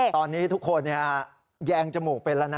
ตอนนี้ทุกคนแยงจมูกเป็นแล้วนะ